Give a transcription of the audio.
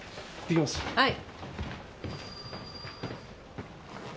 はい。